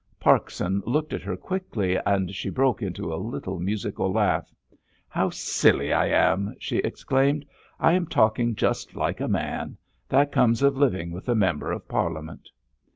Parkson looked at her quickly, and she broke into a little musical laugh. "How silly I am!" she exclaimed. "I am talking just like a man. That comes of living with a Member of Parliament."